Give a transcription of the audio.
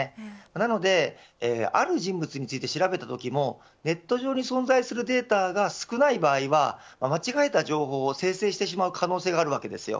なのである人物について調べたときもネット上に存在するデータが少ない場合は間違えた情報を生成してしまう可能性があるわけです。